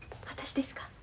私ですか？